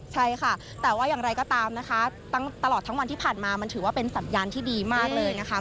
ใช่ค่ะแต่ว่าอย่างไรก็ตามนะคะตลอดทั้งวันที่ผ่านมามันถือว่าเป็นสัญญาณที่ดีมากเลยนะคะ